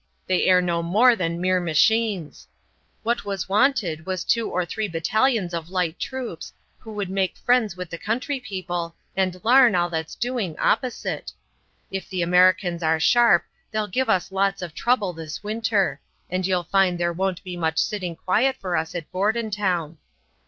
They air no more than mere machines. What was wanted was two or three battalions of light troops, who would make friends with the country people and larn all that's doing opposite. If the Americans are sharp they'll give us lots of trouble this winter, and you'll find there won't be much sitting quiet for us at Bordentown.